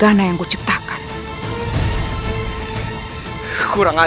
kalau dia begitu aku tidak akan menang